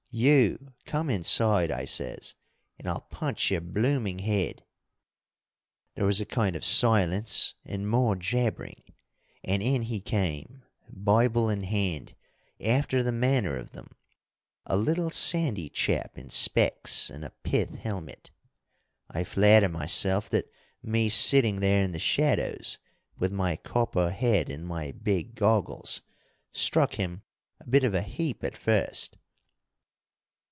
'You come inside,' I says, 'and I'll punch your blooming head.' There was a kind of silence and more jabbering, and in he came, Bible in hand, after the manner of them a little sandy chap in specks and a pith helmet. I flatter myself that me sitting there in the shadows, with my copper head and my big goggles, struck him a bit of a heap at first.